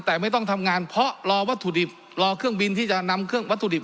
แต่ไม่ต้องทำงานเพราะรอวัตถุดิบรอเครื่องบินที่จะนำเครื่องวัตถุดิบ